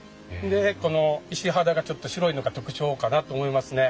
でこの石肌がちょっと白いのが特徴かなと思いますね。